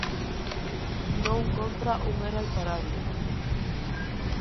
No un contra un era imparable.